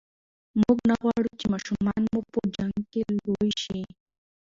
موږ نه غواړو چې ماشومان مو په جنګ کې لوي شي.